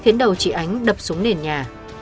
khiến đầu chị ánh đập xuống nền nhà